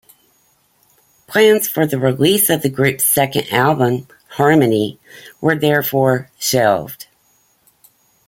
Plans for the release of the group's second album "Harmony" were therefore shelved.